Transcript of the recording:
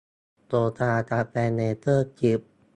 โฆษณากาแฟ เนเจอร์กิ๊ฟ